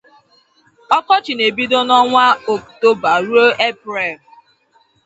Ǫkǫchi na ebido na ǫnwa ǫktoba rue eprel.